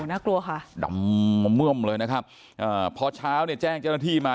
น่ากลัวค่ะดำมะเมื่อมเลยนะครับอ่าพอเช้าเนี่ยแจ้งเจ้าหน้าที่มา